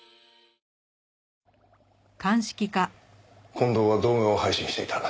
近藤は動画を配信していた。